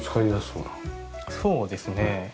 そうですね。